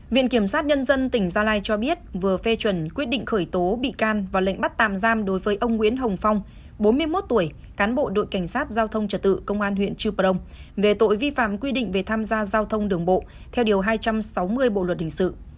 viện kiểm sát nhân dân tỉnh gia lai cho biết vừa phê chuẩn quyết định khởi tố bị can và lệnh bắt tạm giam đối với ông nguyễn hồng phong bốn mươi một tuổi cán bộ đội cảnh sát giao thông trật tự công an huyện trư prong về tội vi phạm quy định về tham gia giao thông đường bộ theo điều hai trăm sáu mươi bộ luật hình sự